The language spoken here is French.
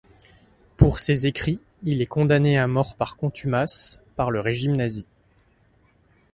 Pour ses écrits, il est condamné à mort par contumace, par le régime nazi.